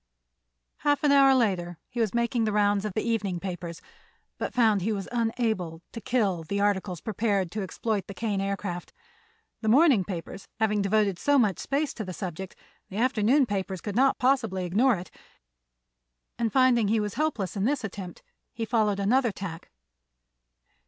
Half an hour later he was making the rounds of the evening papers, but found he was unable to "kill" the articles prepared to exploit the Kane Aircraft. The morning papers having devoted so much space to the subject, the afternoon papers could not possibly ignore it, and finding he was helpless in this attempt he followed another tack.